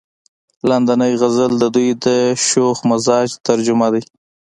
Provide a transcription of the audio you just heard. لاندينے غزل د دوي د شوخ مزاج ترجمان دے ۔